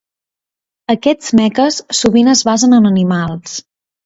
Aquests meques sovint es basen en animals.